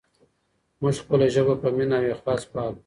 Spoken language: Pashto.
موږ خپله ژبه په مینه او اخلاص پالو.